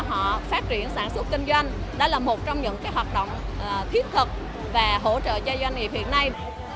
các doanh nghiệp phát triển sản xuất kinh doanh đã là một trong những hoạt động thiết thực và hỗ trợ cho doanh nghiệp hiện nay